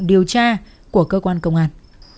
điều tra của cơ quan công an